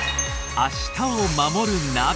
「明日をまもるナビ」